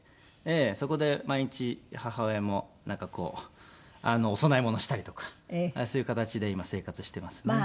そこで毎日母親もなんかお供え物をしたりとかそういう形で今生活していますね。